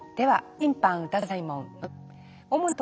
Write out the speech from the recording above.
はい。